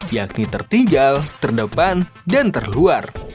yakni tertinggal terdepan dan terluar